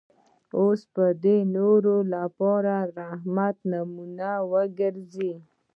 اوس به دی د نورو لپاره د رحمت نمونه وګرځي.